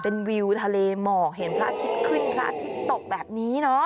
เป็นวิวทะเลหมอกเห็นพระอาทิตย์ขึ้นพระอาทิตย์ตกแบบนี้เนอะ